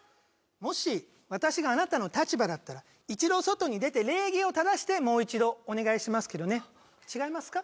もし私があなたの立場だったら一度外に出て礼儀をただしてもう一度お願いしますけどね違いますか？